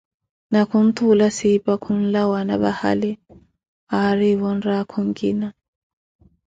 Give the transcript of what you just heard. Na khunthuula Siipa khunlawana vahali aarivo mraakho nkina.